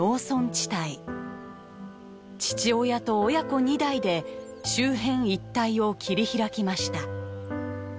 父親と親子２代で周辺一帯を切り開きました。